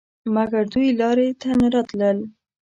مګر دوی لارې ته نه راتلل.